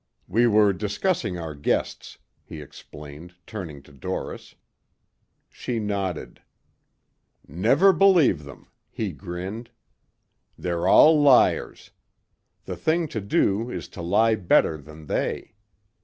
We were discussing our guests," he explained turning to Doris. She nodded. "Never believe them," he grinned. "They're all liars. The thing to do is to lie better than they.